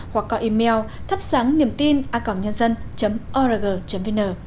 hoặc gọi email thapsangniemtina org vn